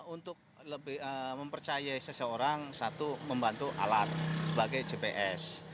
untuk mempercaya seseorang satu membantu alat sebagai gps